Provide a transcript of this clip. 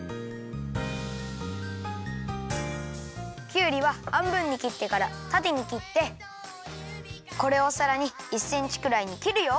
きゅうりははんぶんにきってからたてにきってこれをさらに１センチくらいにきるよ。